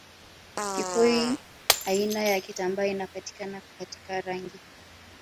kikoi aina ya kitambaa inayopatikana katika rangi